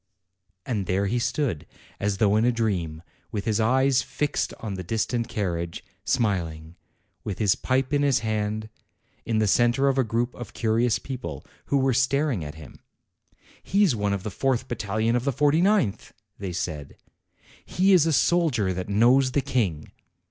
And there he stood, as though in a dream, with his eyes fixed on the distant carriage, smiling, with his pipe in his hand, in the centre of a group of curious people, who were staring at him. "He's one of the fourth battalion of the forty ninth!" they said. "He is a soldier that knows the King."